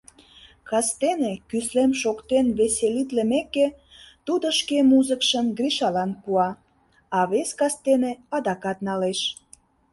Кастене, кӱслем шоктен веселитлымеке, тудо шке музыкшым Гришалан пуа, а вес кастене адакат налеш.